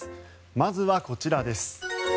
まずはこちらです。